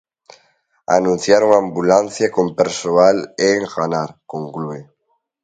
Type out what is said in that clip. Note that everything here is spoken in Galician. "Anunciar unha ambulancia con persoal é enganar", conclúe.